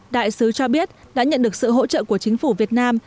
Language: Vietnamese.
đại sứ cho biết đã nhận được sự hỗ trợ của chính phủ việt nam